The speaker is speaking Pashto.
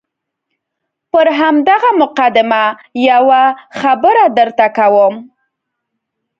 پر همدغه مقدمه یوه خبره درته کوم.